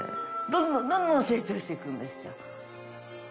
どんどんどんどん成長していくんですよ。